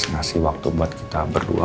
ngasih waktu buat kita berdua